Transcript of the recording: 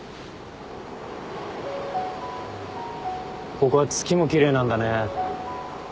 ここは月も奇麗なんだね。